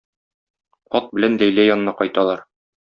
Ат белән Ләйлә янына кайталар.